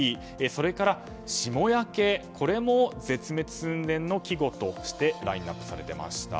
それから霜焼、これも絶滅寸前の季語としてラインアップされていました。